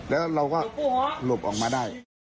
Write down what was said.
แล้วเราก็หลบออกมาได้